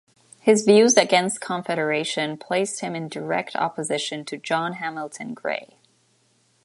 His views against Confederation placed him in direct opposition to John Hamilton Gray.